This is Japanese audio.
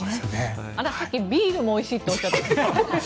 あれ、さっきビールもおいしいっておっしゃってましたが。